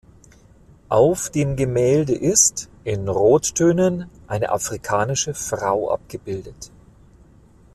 Auf dem Gemälde ist, in Rottönen, eine afrikanische Frau abgebildet.